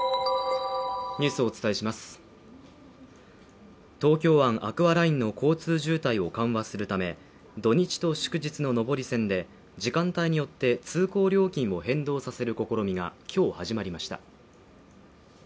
あふっ東京湾アクアラインの交通渋滞を緩和するため土日と祝日の上り線で、時間帯によって通行料金を変動させる試みが今日始まりました。